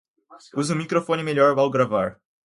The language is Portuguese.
Use um microfone melhor ao gravar